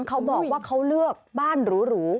เขาบอกว่าเขาเลือกบ้านหรู